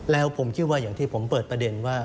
แล้วผมคิดว่าอย่างที่ผมเปิดประเด็นว่า